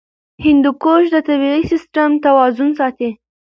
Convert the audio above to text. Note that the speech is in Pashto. هندوکش د طبعي سیسټم توازن ساتي.